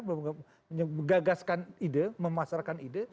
begagaskan ide memasarkan ide